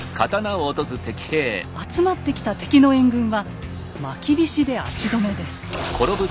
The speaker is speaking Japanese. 集まった敵の援軍はまきびしで足止めです。